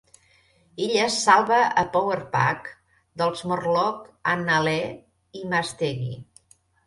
Ella salva a Power Pack dels Morlock Annalee i Mastegui.